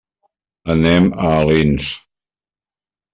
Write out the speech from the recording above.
Anem a Alins.